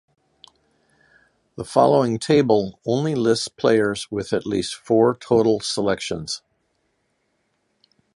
The following table only lists players with at least four total selections.